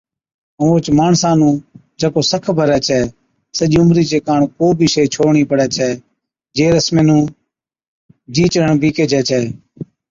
ائُون اوھچ ماڻسان نُون (جڪو سک ڀرَي ڇَي) سجي عمرِي چي ڪاڻ ڪو بِي ھيڪ شيء ڇوڙڻِي پڙَي ڇَي، ’جي رسمي نُون جِي چڙھڻ بِي ڪيھجَي ڇَي‘